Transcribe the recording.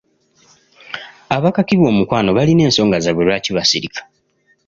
Abakakibwa omukwano balina ensonga zaabwe lwaki basirika.